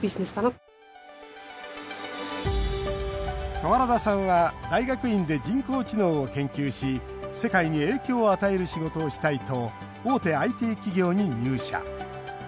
川原田さんは大学院で人工知能を研究し世界に影響を与える仕事をしたいと大手ＩＴ企業に入社。